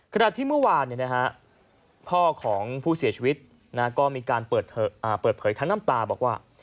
ขณะที่เมื่อวานพ่อของผู้เสียชีวิตก็มีการเปิดเผยทั้งน้ำตาบอกว่า